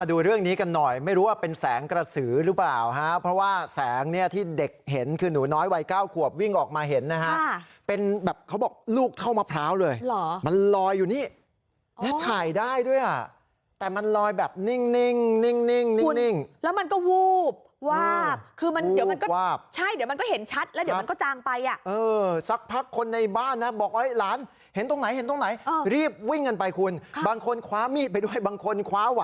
มาดูเรื่องนี้กันหน่อยไม่รู้ว่าเป็นแสงกระสือหรือเปล่าฮะเพราะว่าแสงเนี่ยที่เด็กเห็นคือหนูน้อยวัยเก้าขวบวิ่งออกมาเห็นนะฮะเป็นแบบเขาบอกลูกเท่ามะพร้าวเลยเหรอมันลอยอยู่นี่แล้วถ่ายได้ด้วยอ่ะแต่มันลอยแบบนิ่งนิ่งนิ่งนิ่งนิ่งนิ่งแล้วมันก็วูบวาบคือมันเดี๋ยวมันก็ใช่เดี๋ยวมัน